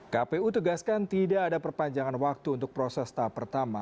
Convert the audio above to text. kpu tegaskan tidak ada perpanjangan waktu untuk proses tahap pertama